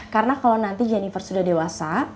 karena kalau nanti jennifer sudah dewasa